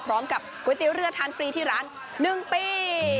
พร้อมกับก๋วยตี๊วเรือทานฟรีที่ร้าน๑ปี